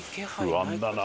不安だな